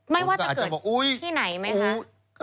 ไม่ว่าจะเกิดที่ไหนไหมคะอุ๊ยอุ๊ย